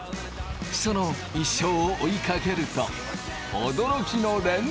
その一生を追いかけると驚きの連続！